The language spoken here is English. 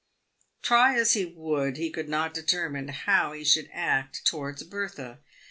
261 Try as he would, he could not determine how he should act towards Bertha.